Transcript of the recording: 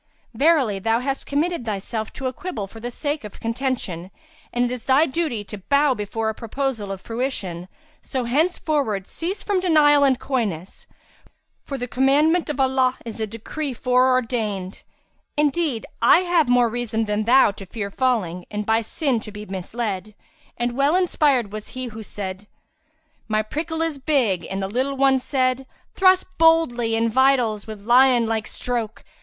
Verily, thou hast committed thyself to a quibble for the sake of contention, and it is thy duty to bow before a proposal of fruition, so henceforward cease from denial and coyness, for the commandment of Allah is a decree foreordained:[FN#337] indeed, I have more reason than thou to fear falling and by sin to be misled; and well inspired was he who said, 'My prickle is big and the little one said, * 'Thrust boldly in vitals with lion like stroke!